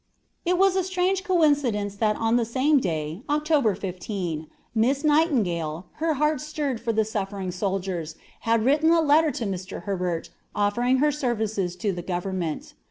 It was a strange coincidence that on that same day, Oct. 15, Miss Nightingale, her heart stirred for the suffering soldiers, had written a letter to Mr. Herbert, offering her services to the government.